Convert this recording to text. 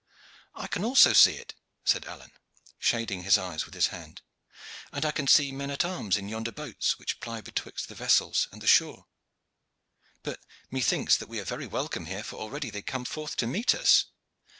"I can also see it," said Alleyne, shading his eyes with his hand. "And I can see men at arms in yonder boats which ply betwixt the vessel and the shore. But methinks that we are very welcome here, for already they come forth to meet us."